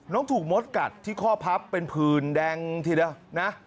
ถูกมดกัดที่ข้อพับเป็นผื่นแดงทีเดียวนะ